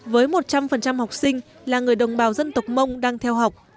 với một trăm linh học sinh là người đồng bào dân tộc mông đang theo học